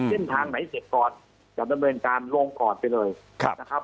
เส้นทางไหนเสร็จก่อนจะดำเนินการลงก่อนไปเลยนะครับ